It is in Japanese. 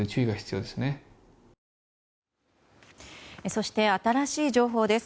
そして、新しい情報です。